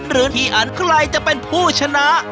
หรือพี่อันใครจะเป็นผู้ชนะ